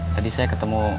tadi saya ketemu